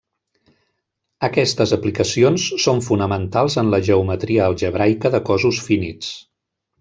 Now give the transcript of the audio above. Aquestes aplicacions són fonamentals en la geometria algebraica de cossos finits.